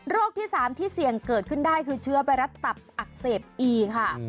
ที่๓ที่เสี่ยงเกิดขึ้นได้คือเชื้อไวรัสตับอักเสบอีค่ะ